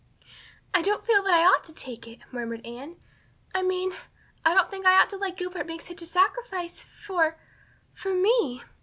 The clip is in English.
"I don't feel that I ought to take it," murmured Anne. "I mean I don't think I ought to let Gilbert make such a sacrifice for for me."